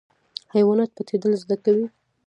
حیوانات پټیدل زده کوي